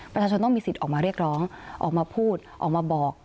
ประชาชนต้องมีสิทธิ์ออกมาเรียกร้องออกมาพูดออกมาบอก